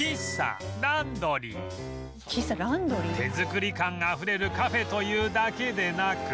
手作り感があふれるカフェというだけでなく